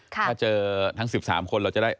ถ้าเจอทั้ง๑๓คนเราจะได้